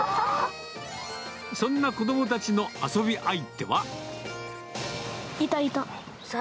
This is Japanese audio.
そんな子どもたちの遊び相手いたいた。